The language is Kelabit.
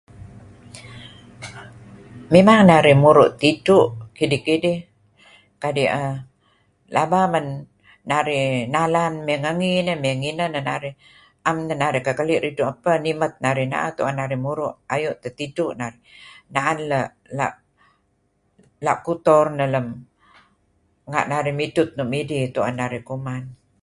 Memang narih muru' tidtu' kidih-kidih kadi' err laba men narih nalan mey ngengi mey ngineh neh narih, 'am neh narih kehkeli' ridtu' apeh nimet narih na'ah muru' ayu teh tidtu narih, da'et la' la' la' kotor neh lem nga' narih midhut nuk midih tu'en narih kuman.